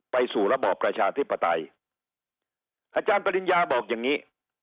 สู่ระบอบประชาธิปไตยอาจารย์ปริญญาบอกอย่างนี้